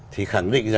thì khẳng định